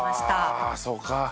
「はあそうか」